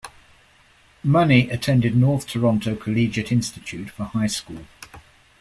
Money attended North Toronto Collegiate Institute for high school.